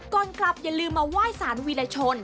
ก่อนกลับอย่าลืมมาไหว้สารวีรชน